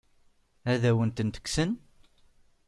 Ad awen-tent-kksen?